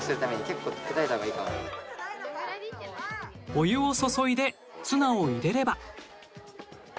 お湯を注いでツナを入れれば。